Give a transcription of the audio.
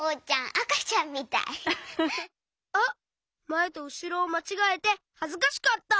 まえとうしろをまちがえてはずかしかった。